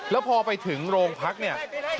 แล้วพอไปถึงโรงพักเนี่ยแล้วเริ่มสงบลงแล้วคุณผู้ชมนะ